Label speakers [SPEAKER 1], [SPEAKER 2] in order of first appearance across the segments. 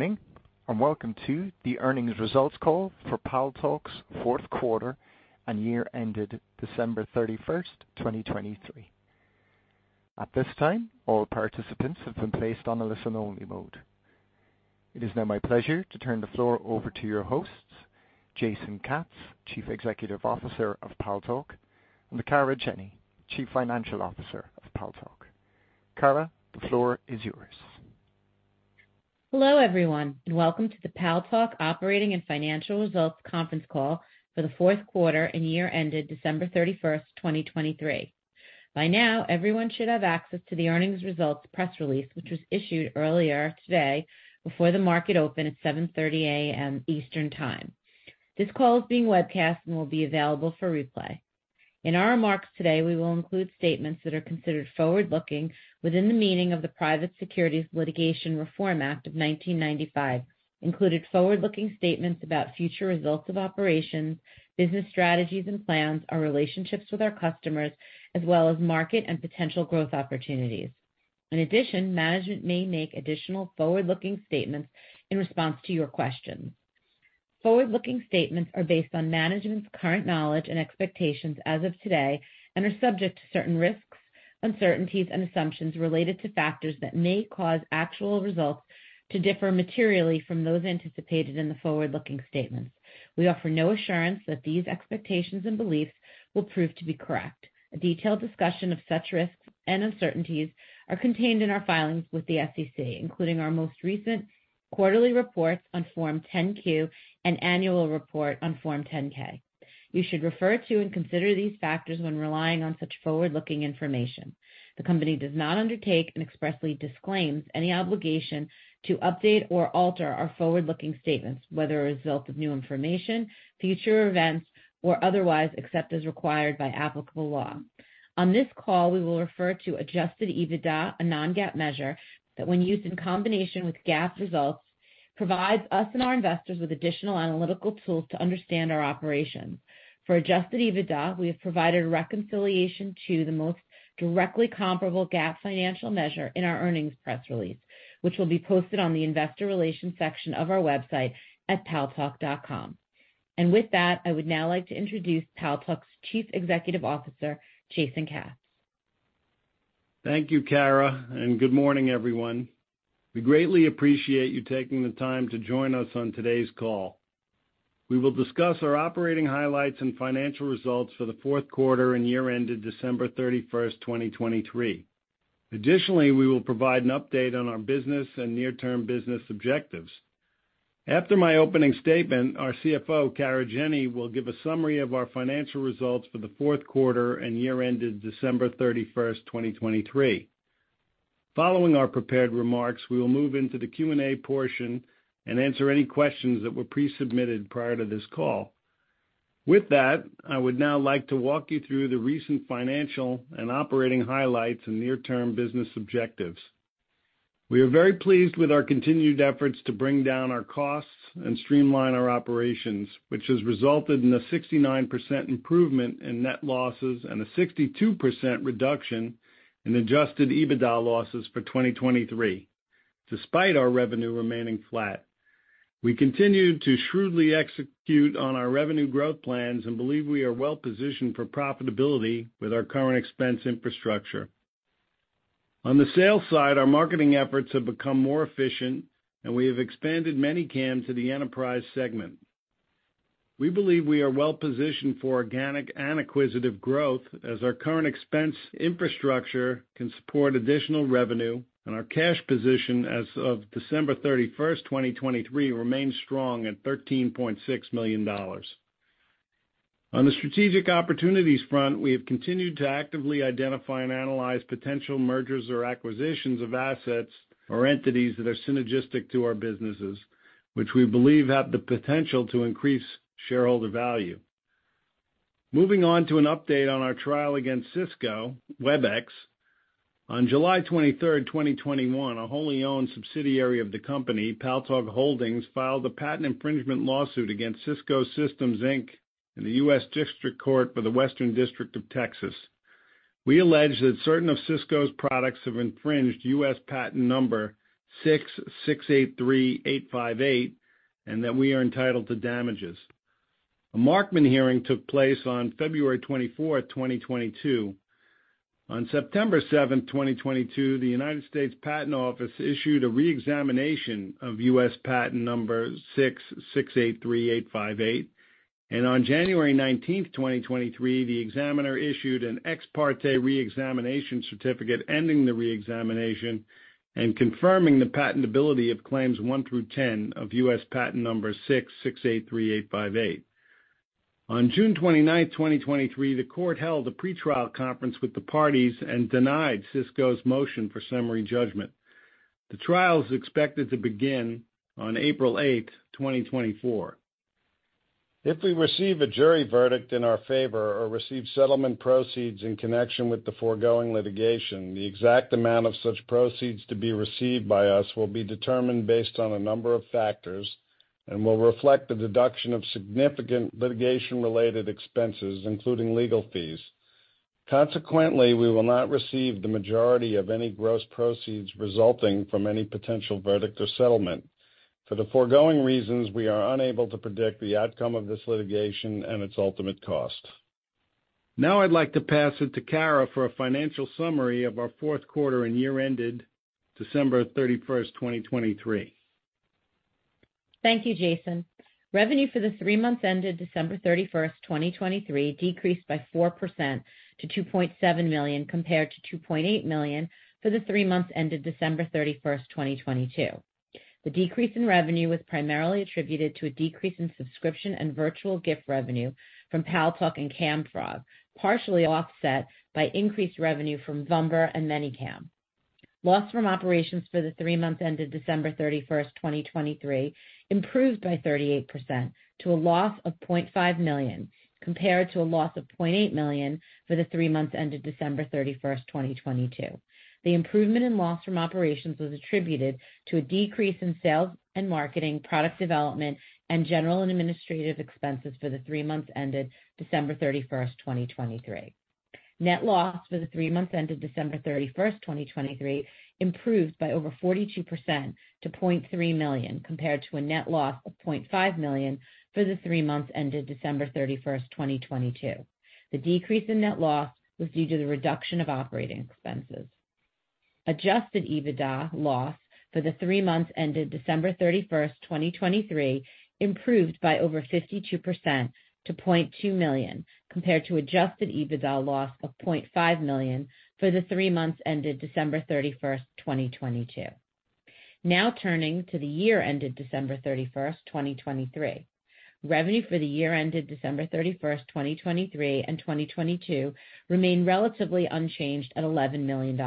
[SPEAKER 1] Good morning and welcome to the earnings results call for Paltalk's fourth quarter and year ended December 31st, 2023. At this time, all participants have been placed on a listen-only mode. It is now my pleasure to turn the floor over to your hosts, Jason Katz, Chief Executive Officer of Paltalk, and Kara Jenny, Chief Financial Officer of Paltalk. Kara, the floor is yours.
[SPEAKER 2] Hello everyone and welcome to the Paltalk Operating and Financial Results Conference Call for the fourth quarter and year ended December 31st, 2023. By now, everyone should have access to the earnings results press release, which was issued earlier today before the market opened at 7:30 A.M. Eastern Time. This call is being webcast and will be available for replay. In our remarks today, we will include statements that are considered forward-looking within the meaning of the Private Securities Litigation Reform Act of 1995, including forward-looking statements about future results of operations, business strategies and plans, our relationships with our customers, as well as market and potential growth opportunities. In addition, management may make additional forward-looking statements in response to your questions. Forward-looking statements are based on management's current knowledge and expectations as of today and are subject to certain risks, uncertainties, and assumptions related to factors that may cause actual results to differ materially from those anticipated in the forward-looking statements. We offer no assurance that these expectations and beliefs will prove to be correct. A detailed discussion of such risks and uncertainties is contained in our filings with the SEC, including our most recent quarterly reports on Form 10-Q and annual report on Form 10-K. You should refer to and consider these factors when relying on such forward-looking information. The company does not undertake and expressly disclaims any obligation to update or alter our forward-looking statements, whether as a result of new information, future events, or otherwise except as required by applicable law. On this call, we will refer to Adjusted EBITDA, a non-GAAP measure that, when used in combination with GAAP results, provides us and our investors with additional analytical tools to understand our operations. For Adjusted EBITDA, we have provided reconciliation to the most directly comparable GAAP financial measure in our earnings press release, which will be posted on the investor relations section of our website at paltalk.com. With that, I would now like to introduce Paltalk's Chief Executive Officer, Jason Katz.
[SPEAKER 3] Thank you, Kara, and good morning everyone. We greatly appreciate you taking the time to join us on today's call. We will discuss our operating highlights and financial results for the fourth quarter and year ended December 31st, 2023. Additionally, we will provide an update on our business and near-term business objectives. After my opening statement, our CFO, Kara Jenny, will give a summary of our financial results for the fourth quarter and year ended December 31st, 2023. Following our prepared remarks, we will move into the Q&A portion and answer any questions that were pre-submitted prior to this call. With that, I would now like to walk you through the recent financial and operating highlights and near-term business objectives. We are very pleased with our continued efforts to bring down our costs and streamline our operations, which has resulted in a 69% improvement in net losses and a 62% reduction in adjusted EBITDA losses for 2023, despite our revenue remaining flat. We continue to shrewdly execute on our revenue growth plans and believe we are well-positioned for profitability with our current expense infrastructure. On the sales side, our marketing efforts have become more efficient, and we have expanded ManyCams to the enterprise segment. We believe we are well-positioned for organic and acquisitive growth, as our current expense infrastructure can support additional revenue, and our cash position as of December 31st, 2023, remains strong at $13.6 million. On the strategic opportunities front, we have continued to actively identify and analyze potential mergers or acquisitions of assets or entities that are synergistic to our businesses, which we believe have the potential to increase shareholder value. Moving on to an update on our trial against Cisco Webex, on July 23rd, 2021, a wholly owned subsidiary of the company, Paltalk Holdings, filed a patent infringement lawsuit against Cisco Systems, Inc., in the U.S. District Court for the Western District of Texas. We allege that certain of Cisco's products have infringed U.S. Patent No. 6,683,858 and that we are entitled to damages. A Markman hearing took place on February 24th, 2022. On September 7th, 2022, the United States Patent Office issued a re-examination of U.S. Patent No. 6,683,858, and on January 19th, 2023, the examiner issued an Ex Parte Re-examination Certificate ending the re-examination and confirming the patentability of claims one through 10 of U.S. Patent No. 6,683,858. On June 29th, 2023, the Court held a pretrial conference with the parties and denied Cisco's motion for summary judgment. The trial is expected to begin on April 8th, 2024. If we receive a jury verdict in our favor or receive settlement proceeds in connection with the foregoing litigation, the exact amount of such proceeds to be received by us will be determined based on a number of factors and will reflect the deduction of significant litigation-related expenses, including legal fees. Consequently, we will not receive the majority of any gross proceeds resulting from any potential verdict or settlement. For the foregoing reasons, we are unable to predict the outcome of this litigation and its ultimate cost. Now I'd like to pass it to Kara for a financial summary of our fourth quarter and year ended December 31st, 2023.
[SPEAKER 2] Thank you, Jason. Revenue for the three months ended December 31st, 2023, decreased by 4% to $2.7 million compared to $2.8 million for the three months ended December 31st, 2022. The decrease in revenue was primarily attributed to a decrease in subscription and virtual gift revenue from Paltalk and Camfrog, partially offset by increased revenue from Vumber and ManyCam. Loss from operations for the three months ended December 31st, 2023, improved by 38% to a loss of $0.5 million compared to a loss of $0.8 million for the three months ended December 31st, 2022. The improvement in loss from operations was attributed to a decrease in sales and marketing, product development, and general and administrative expenses for the three months ended December 31st, 2023. Net loss for the three months ended December 31st, 2023, improved by over 42% to $0.3 million compared to a net loss of $0.5 million for the three months ended December 31st, 2022. The decrease in net loss was due to the reduction of operating expenses. Adjusted EBITDA loss for the three months ended December 31st, 2023, improved by over 52% to $0.2 million compared to adjusted EBITDA loss of $0.5 million for the three months ended December 31st, 2022. Now turning to the year ended December 31st, 2023. Revenue for the year ended December 31st, 2023, and 2022 remained relatively unchanged at $11 million.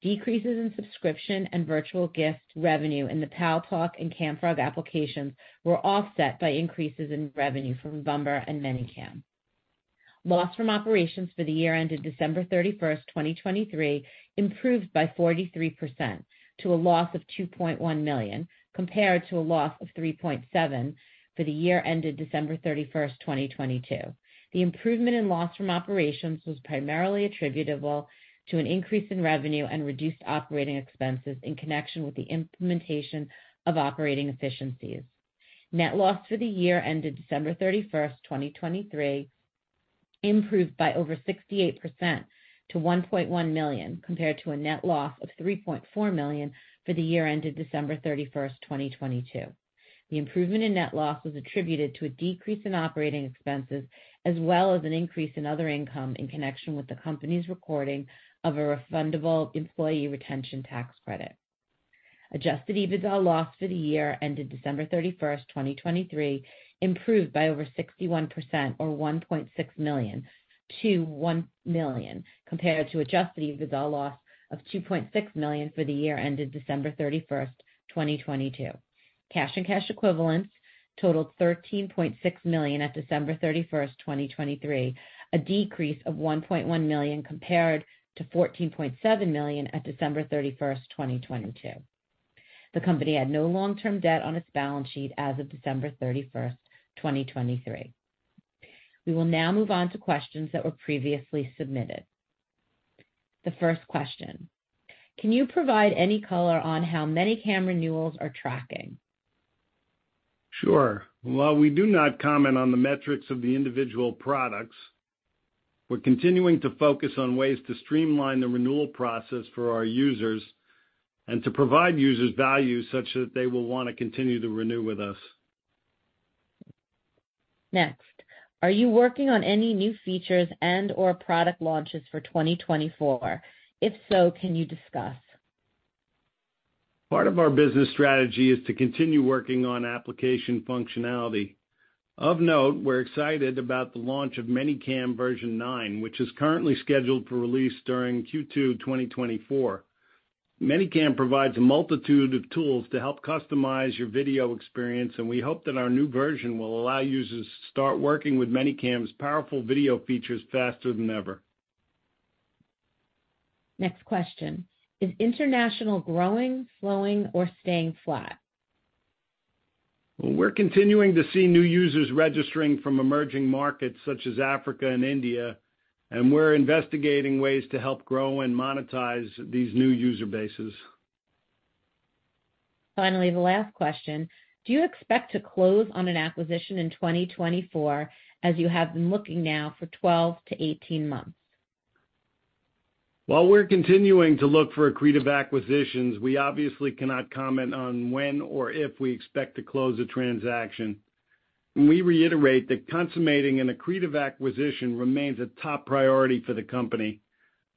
[SPEAKER 2] Decreases in subscription and virtual gift revenue in the Paltalk and Camfrog applications were offset by increases in revenue from Vumber and ManyCam. Loss from operations for the year ended December 31st, 2023, improved by 43% to a loss of $2.1 million compared to a loss of $3.7 million for the year ended December 31st, 2022. The improvement in loss from operations was primarily attributable to an increase in revenue and reduced operating expenses in connection with the implementation of operating efficiencies. Net loss for the year ended December 31st, 2023, improved by over 68% to $1.1 million compared to a net loss of $3.4 million for the year ended December 31st, 2022. The improvement in net loss was attributed to a decrease in operating expenses as well as an increase in other income in connection with the company's recording of a refundable employee retention tax credit. Adjusted EBITDA loss for the year ended December 31st, 2023, improved by over 61% or $1.6 million to $1 million compared to adjusted EBITDA loss of $2.6 million for the year ended December 31st, 2022. Cash and cash equivalents totaled $13.6 million at December 31st, 2023, a decrease of $1.1 million compared to $14.7 million at December 31st, 2022. The company had no long-term debt on its balance sheet as of December 31st, 2023. We will now move on to questions that were previously submitted. The first question: Can you provide any color on how ManyCam renewals are tracking?
[SPEAKER 3] Sure. While we do not comment on the metrics of the individual products, we're continuing to focus on ways to streamline the renewal process for our users and to provide users value such that they will want to continue to renew with us.
[SPEAKER 2] Next, are you working on any new features and/or product launches for 2024? If so, can you discuss?
[SPEAKER 3] Part of our business strategy is to continue working on application functionality. Of note, we're excited about the launch of ManyCam version 9, which is currently scheduled for release during Q2 2024. ManyCam provides a multitude of tools to help customize your video experience, and we hope that our new version will allow users to start working with ManyCam's powerful video features faster than ever.
[SPEAKER 2] Next question: is international growing, slowing, or staying flat?
[SPEAKER 3] Well, we're continuing to see new users registering from emerging markets such as Africa and India, and we're investigating ways to help grow and monetize these new user bases.
[SPEAKER 2] Finally, the last question: do you expect to close on an acquisition in 2024 as you have been looking now for 12-18 months?
[SPEAKER 3] While we're continuing to look for accretive acquisitions, we obviously cannot comment on when or if we expect to close a transaction. We reiterate that consummating an accretive acquisition remains a top priority for the company.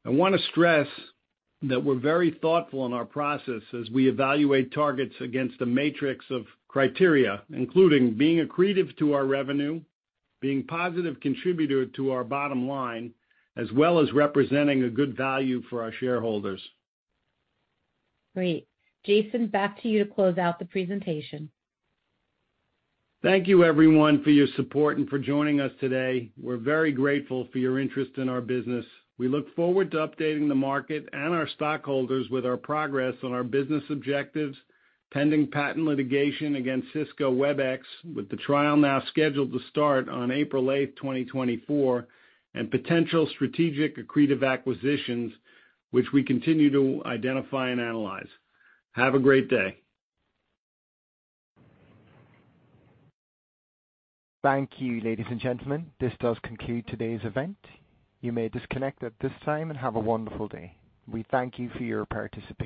[SPEAKER 3] I want to stress that we're very thoughtful in our process as we evaluate targets against a matrix of criteria, including being accretive to our revenue, being a positive contributor to our bottom line, as well as representing a good value for our shareholders.
[SPEAKER 2] Great. Jason, back to you to close out the presentation.
[SPEAKER 3] Thank you, everyone, for your support and for joining us today. We're very grateful for your interest in our business. We look forward to updating the market and our stockholders with our progress on our business objectives, pending patent litigation against Cisco Webex with the trial now scheduled to start on April 8th, 2024, and potential strategic accretive acquisitions, which we continue to identify and analyze. Have a great day.
[SPEAKER 1] Thank you, ladies and gentlemen. This does conclude today's event. You may disconnect at this time and have a wonderful day. We thank you for your participation.